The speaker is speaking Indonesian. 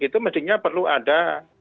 itu mestinya perlu ada